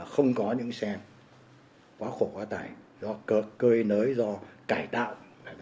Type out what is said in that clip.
không có những xe quá khổ quá tải do cơ cơ nới do cải tạo